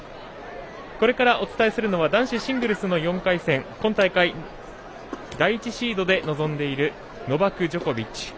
これからお伝えするのは男子シングルスの４回戦今大会、第１シードで臨んでいるノバク・ジョコビッチ